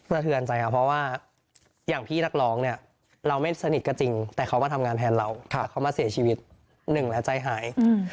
เทือนใจครับเพราะว่าอย่างพี่นักร้องเนี่ยเราไม่สนิทก็จริงแต่เขามาทำงานแทนเราแต่เขามาเสียชีวิตหนึ่งแล้วใจหาย